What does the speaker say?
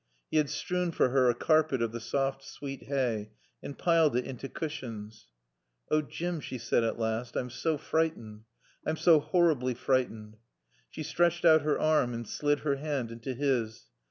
He had strewn for her a carpet of the soft, sweet hay and piled it into cushions. "Oh, Jim," she said at last. "I'm so frightened. I'm so horribly frightened." She stretched out her arm and slid her hand into his.